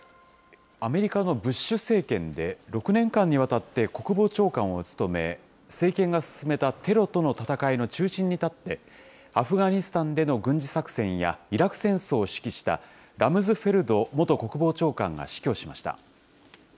アメリカのブッシュ政権で６年間にわたって国防長官を務め、政権が進めたテロとの戦いの中心に立って、アフガニスタンでの軍事作戦や、イラク戦争を指揮した、ラムズフェルド元国防長官が死去しました。